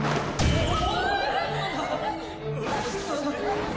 うわ！